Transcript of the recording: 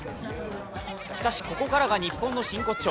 しかし、ここからが日本の真骨頂。